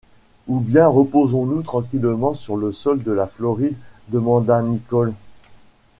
Ou bien reposons-nous tranquillement sur le sol de la Floride ? demanda Nicholl.